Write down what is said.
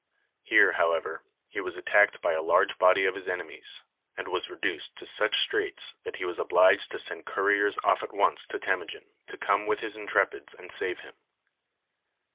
Here, however, he was attacked by a large body of his enemies, and was reduced to such straits that he was obliged to send couriers off at once to Temujin to come with his intrepids and save him.